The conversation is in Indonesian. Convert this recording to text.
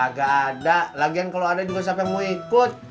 agak ada lagian kalau ada juga siapa yang mau ikut